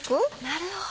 なるほど。